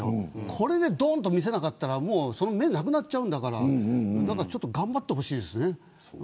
ここでどんと見せなかったら目がなくなっちゃうから頑張ってほしいです。